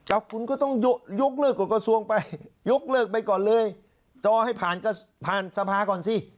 เอาคุณก็ต้องยกเลิกกฎกระทรวงไปยกเลิกไปก่อนเลยจอให้ผ่านก็ผ่านสภาก่อนสิ